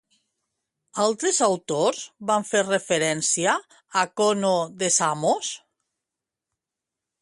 Altres autors van fer referència a Conó de Samos?